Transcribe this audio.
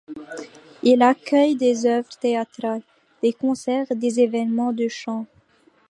Il accueille des œuvres théâtrales, des concerts et des événements de chant.